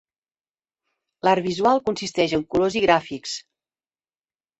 L'art visual consisteix en colors i gràfics.